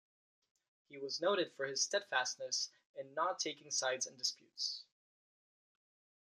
He was noted for his steadfastness in not taking sides in disputes.